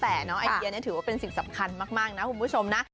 แต่น้องไอเดียนี่ถือว่าเป็นสิ่งสำคัญมากนะคุณผู้ชมนะ